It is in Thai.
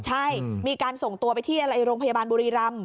ใช่มีการส่งตัวไปที่โรงพยาบาลบุรีรำ